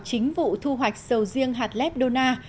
chính vụ thu hoạch sầu riêng hạt lép đô na